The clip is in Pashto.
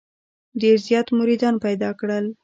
ډېر زیات مریدان پیدا کړل.